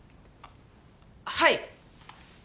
はい。